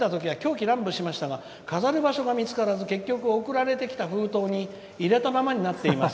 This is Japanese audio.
「届いたときは狂喜乱舞しましたが飾る場所が見つからず送られてきた封筒に入れたままにしてあります